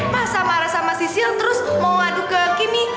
masa marah sama sisil terus mau ngaduk ke kimi